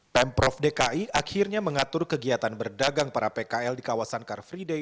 pemprov dki akhirnya mengatur kegiatan berdagang para pkl di kawasan car free day